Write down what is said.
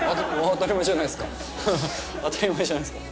当たり前じゃないですか。